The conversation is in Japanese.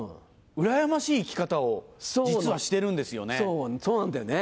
うらやましい生き方を実はしてるんですよね。